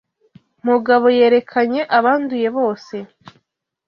Mugabo yerekanye abanduye bose